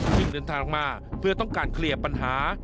เดินทางมาเพื่อต้องการเคลียร์ปัญหา